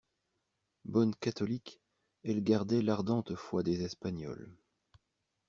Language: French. Bonne catholique, elle gardait l'ardente foi des Espagnoles.